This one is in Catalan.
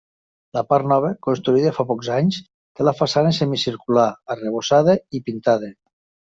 La part nova, construïda fa pocs anys, té la façana semicircular, arrebossada i pintada.